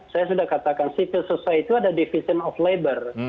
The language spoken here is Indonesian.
saya sudah katakan civil society itu ada division of labor